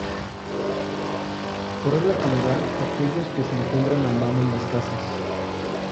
Por regla general aquellos que se encuentran a mano en las casas.